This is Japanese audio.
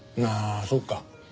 ああそっか。